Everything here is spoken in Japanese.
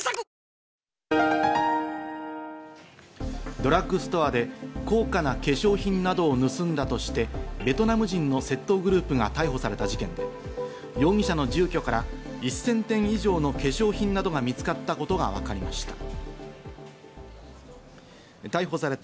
ドラッグストアで高価な化粧品などを盗んだとして、ベトナム人の窃盗グループが逮捕された事件で、容疑者の住居から１０００点以上の化粧品などが見つかったことがわかりました。